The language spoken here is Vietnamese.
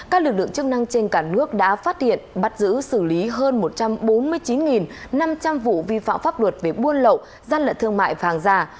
các lực lượng chức năng trên cả nước đã phát hiện bắt giữ xử lý hơn một trăm bốn mươi chín năm trăm linh vụ vi phạm pháp luật về buôn lậu gian lận thương mại và hàng giả